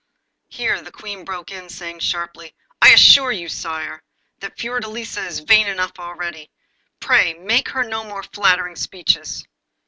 Here the Queen broke in, saying sharply 'I assure you, Sire, that Fiordelisa is vain enough already. Pray make her no more flattering speeches.